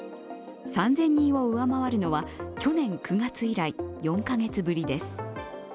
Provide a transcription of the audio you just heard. ３０００人を上回るのは去年９月以来４カ月ぶりです。